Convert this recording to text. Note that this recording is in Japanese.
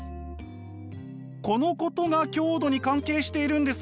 このことが強度に関係しているんですが。